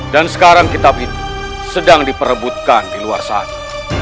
dan sekarang kitab itu sedang diperebutkan di luar sana